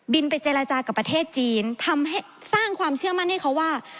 ไปเจรจากับประเทศจีนทำให้สร้างความเชื่อมั่นให้เขาว่า